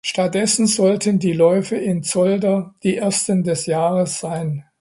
Stattdessen sollten die Läufe in Zolder die ersten des Jahres sein.